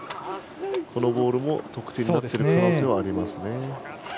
このボールも得点になっている可能性はあります。